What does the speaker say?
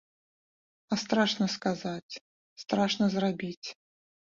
А страшна сказаць, страшна зрабіць.